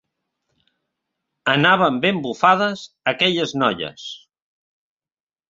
Anaven ben bufades, aquelles noies.